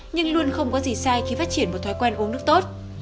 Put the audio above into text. nhưng luôn không có gì sai khi phát triển một thói quen uống nước tốt